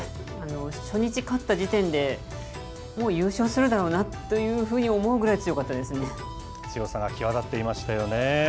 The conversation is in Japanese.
初日勝った時点でもう優勝するだろうなというふうに思うぐらい、強さが際立っていましたよね。